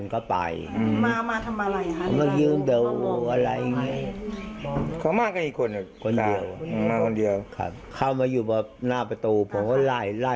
ใดทีนี้๔หัวถ่าย